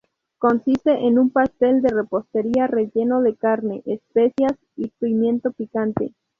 Consiste en un pastel de repostería relleno de carne, especias y pimiento picante.